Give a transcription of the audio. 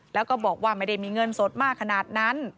แล้วก็บอกว่าไม่ได้มีเงินสดมากขนาดนั้น